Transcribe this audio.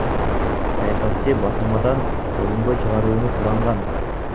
Саясатчы басылмадан төгүнгө чыгарууну суранган.